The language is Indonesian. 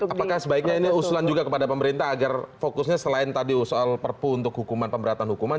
apakah sebaiknya ini usulan juga kepada pemerintah agar fokusnya selain tadi soal perpu untuk hukuman pemberatan hukuman